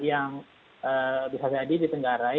yang bisa jadi ditenggarai